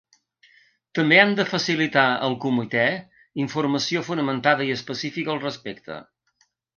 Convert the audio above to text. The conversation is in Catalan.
També han de facilitar al Comité informació fonamentada i específica al respecte.